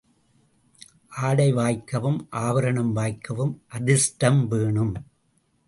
ஆடை வாய்க்கவும் ஆபரணம் வாய்க்கவும் அதிர்ஷ்டம் வேணும்.